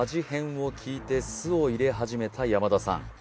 変を聞いて酢を入れ始めた山田さん